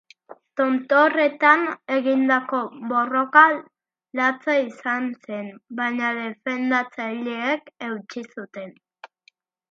Tontorretan egindako borroka latza izan zen, baina defendatzaileek eutsi zuten.